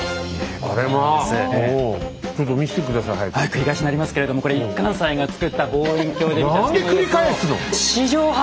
繰り返しになりますけれどもこれ一貫斎が作った望遠鏡で見た月の様子を。